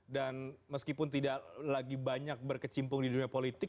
dan meskipun tidak lagi banyak berkecimpung di dunia politik